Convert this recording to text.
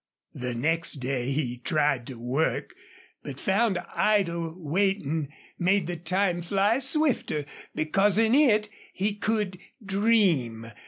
The next day he tried to work, but found idle waiting made the time fly swifter because in it he could dream.